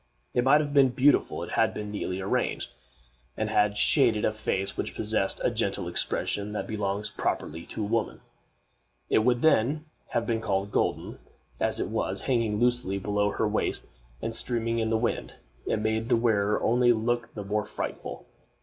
It might have been beautiful if it had been neatly arranged, and had shaded a face which possessed the gentle expression that belongs properly to woman. It would then have been called golden. As it was, hanging loosely below her waist and streaming in the wind, it made the wearer only look the more frightful.